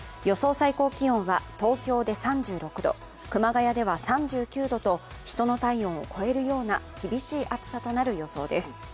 最高気温は東京で３６度、熊谷では３９度と人の体温を超えるような厳しい暑さとなる予想です。